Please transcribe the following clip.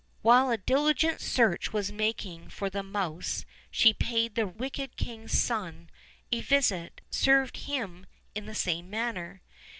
While a diligent search was making for the mouse she paid the wicked king's son a visit, and served him in the same manner.